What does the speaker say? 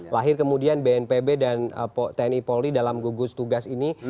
lahir kemudian bnpb dan tni polri dalam gugus tugas ini